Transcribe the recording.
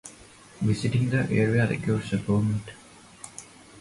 Visiting the area requires a permit.